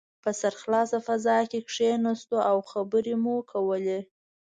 په سرخلاصه فضا کې کښېناستو او خبرې مو کولې.